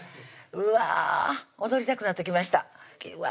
うわぁ踊りたくなってきましたうわ